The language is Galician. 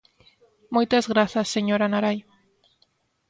Moitas grazas, señora Narai.